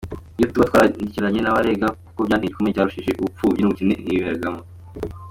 Iyo tuba twarandikiranye n’abarega kuko banteye igikomere cyarushije ubupfubyi n’ubukene niberagamo”.